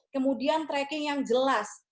kemudian tracking yang jelas